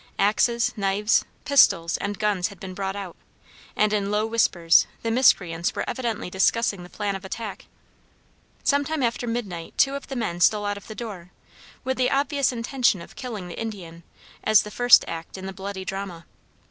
Axes, knives, pistols, and guns had been brought out, and, in low whispers, the miscreants were evidently discussing the plan of attack. Sometime after midnight two of the men stole out of the door, with the obvious intention of killing the Indian, as the first act in the bloody drama.